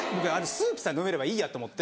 スープさえ飲めればいいやと思って。